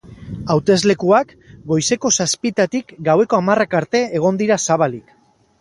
Hauteslekuak goizeko zazpietatik gaueko hamarrak arte egon dira zabalik.